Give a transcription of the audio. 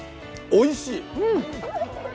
おいしい！